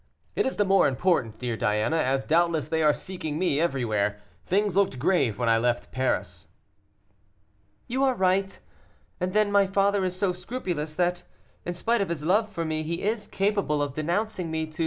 It is the more important, dear Diana, as doubtless they are seeking me everywhere. Things looked grave when I left Paris. "You are right; and then my father is so scrupulous that, in spite of his love for me, he is capable of denouncing me to M.